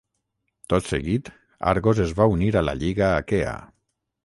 Tot seguit Argos es va unir a la Lliga Aquea.